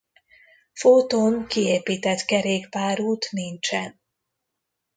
Fóton kiépített kerékpárút nincsen.